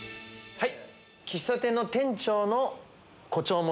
はい！